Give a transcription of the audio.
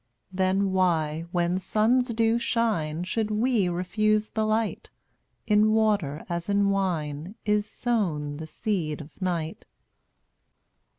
Then why, when suns do shine, Should we refuse the light? In water as in wine Is sown the seed of night.